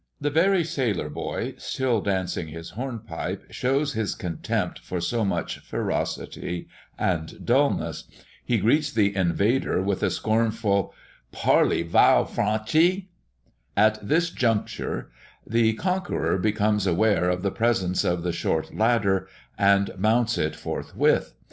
The very sailor boy, still dancing his hornpipe, shows his contempt for so much ferocity and dulness. He greets the invader with a scornful "Parli vow Frenchi?" At this juncture, the conqueror becomes aware of the presence of the short ladder, and mounts it forthwith.